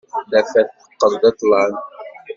Tafat teqqel d ṭṭlam.